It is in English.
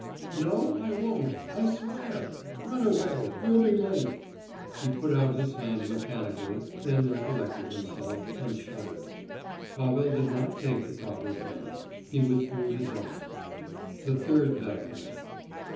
"No—I won't—I swear!—run away—you'll be late!" He put out his hand mechanically, then recollected himself, and shuddered. Pavel did not take the proffered hand, he withdrew his own. The third bell rang.